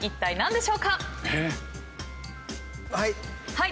はい。